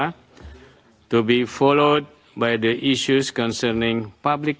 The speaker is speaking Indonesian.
untuk diikuti dengan isu tentang informasi publik